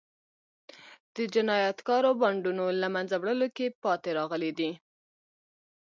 د جنایتکارو بانډونو له منځه وړلو کې پاتې راغلي دي.